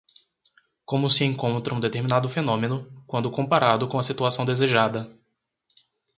como se encontra um determinado fenômeno, quando comparado com a situação desejada